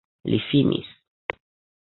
Li finis!